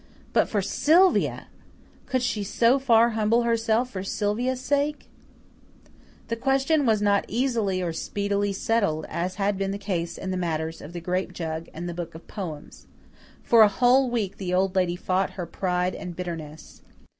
But for Sylvia! Could she so far humble herself for Sylvia's sake? The question was not easily or speedily settled, as had been the case in the matters of the grape jug and the book of poems. For a whole week the Old Lady fought her pride and bitterness.